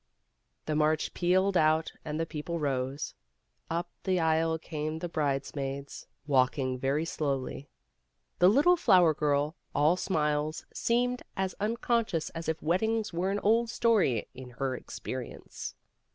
The march pealed out and the people rose. Up the aisle came the bridesmaids walking 320 PEGGY RAYMOND'S WAY very slowly. The little flower girl, all smiles, seemed as unconscious as if weddings were an old story in her experience.